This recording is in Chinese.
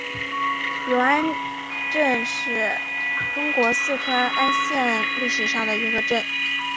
永安镇是中国四川安县历史上的一个镇。